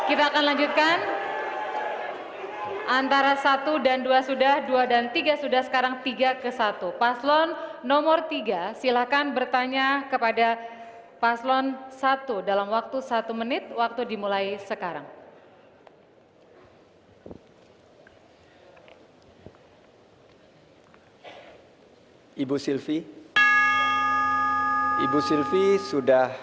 ibu sylvie sudah